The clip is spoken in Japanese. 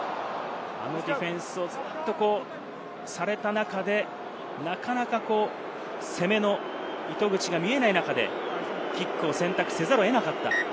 あのディフェンスをされた中で、なかなか攻めの糸口が見えない中で、キックを選択せざるを得なかった。